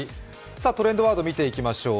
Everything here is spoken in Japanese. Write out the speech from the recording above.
トレンドワード見ていきましょう。